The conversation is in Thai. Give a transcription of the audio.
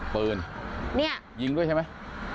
ปืนเนี่ยยิงด้วยใช่ไหม